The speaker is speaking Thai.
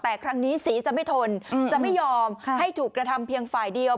แต่ครั้งนี้สีจะไม่ทนจะไม่ยอมให้ถูกกระทำเพียงฝ่ายเดียว